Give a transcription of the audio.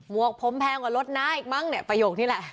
วกผมแพงกว่ารถน้าอีกมั้งเนี่ยประโยคนี้แหละ